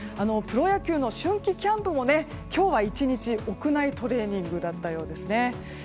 プロ野球の春季キャンプも今日は１日屋内トレーニングだったようですね。